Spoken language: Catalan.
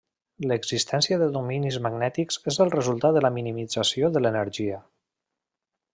L'existència de dominis magnètics és el resultat de la minimització de l'energia.